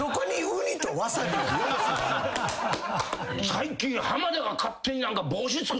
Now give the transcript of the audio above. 最近。